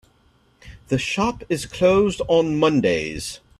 The shop is closed on mondays.